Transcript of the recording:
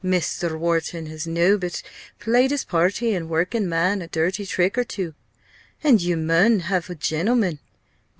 Mester Wharton has nobbut played his party and the workin' man a dirty trick or two _an' yo mun have a gentleman!